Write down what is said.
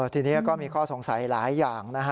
ทีนี้ก็มีข้อสงสัยหลายอย่าง